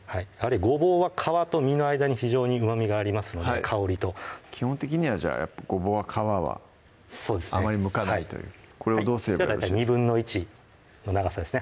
ごぼうは皮と身の間に非常にうまみがありますので香りと基本的にはごぼうは皮はあまりむかないというこれをどうすれば１／２の長さですね